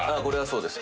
そうです